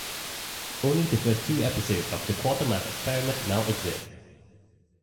Only the first two episodes of "The Quatermass Experiment" now exist.